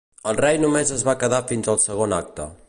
El rei només es va quedar fins al segon acte.